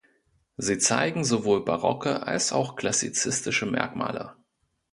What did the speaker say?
Sie zeigen sowohl barocke als auch klassizistische Merkmale.